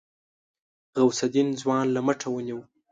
غوث الدين ځوان له مټه ونيو.